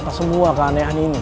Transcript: atas semua keanehan ini